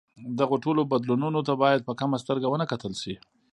دغو ټولو بدلونونو ته باید په کمه سترګه ونه کتل شي.